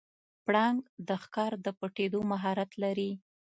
پړانګ د ښکار د پټیدو مهارت لري.